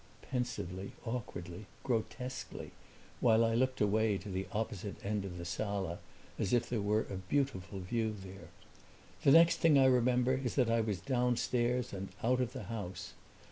pensively, awkwardly, grotesquely, while I looked away to the opposite end of the sala as if there were a beautiful view there. The next thing I remember is that I was downstairs and out of the house.